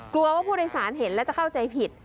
กลัวว่าผู้โดยสารเห็นและจะเข้าใจผิด